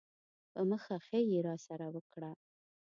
په مخه ښې یې راسره وکړه.